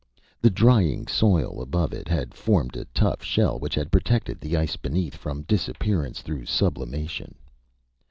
The drying soil above it had formed a tough shell, which had protected the ice beneath from disappearance through sublimation...